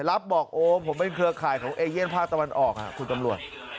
รับบอกโอ้ผมเป็นเครือข่ายของเอเยียนภาคตะวันออกคุณตำรวจ